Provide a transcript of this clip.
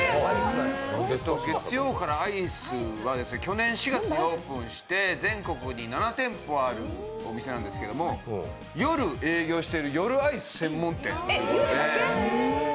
月曜からアイスは去年４月にオープンして全国に７店舗あるお店なんですけども、夜営業している夜アイス専門店なんです。